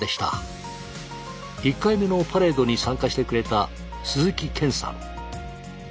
１回目のパレードに参加してくれた鈴木賢さん。